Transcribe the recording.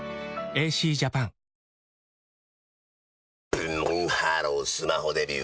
⁉ブンブンハロースマホデビュー！